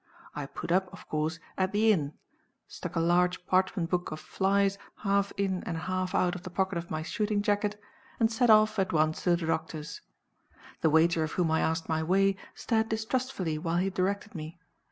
I put up, of course, at the inn stuck a large parchment book of flies half in and half out of the pocket of my shooting jacket and set off at once to the doctor's. The waiter of whom I asked my way stared distrustfully while he directed me.